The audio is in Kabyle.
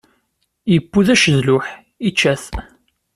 Iwwi d acedluḥ, ičča t.